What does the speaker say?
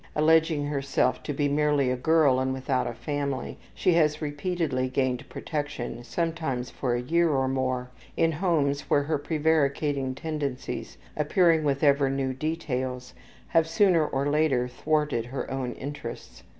Alleging herself to be merely a girl and without a family, she has repeatedly gained protection, sometimes for a year or more, in homes where her prevaricating tendencies, appearing with ever new details, have sooner or later thwarted her own interests.